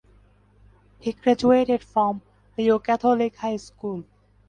He graduated from Leo Catholic High School.